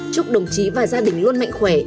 chúc đồng chí và gia đình luôn mạnh khỏe